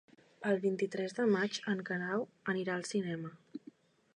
El vint-i-tres de maig en Guerau anirà al cinema.